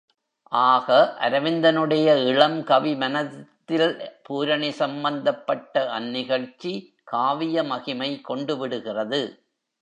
ஆக, அரவிந்தனுடைய இளம் கவி மனத்தில் பூரணி சம்பந்தப்பட்ட அந்நிகழ்ச்சி காவிய மகிமை கொண்டுவிடுகிறது.